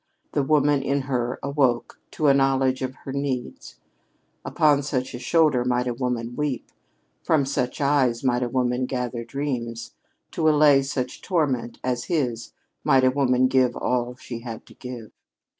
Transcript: The woman in her awoke to a knowledge of her needs. Upon such a shoulder might a woman weep, from such eyes might a woman gather dreams; to allay such torment as his might a woman give all she had to give.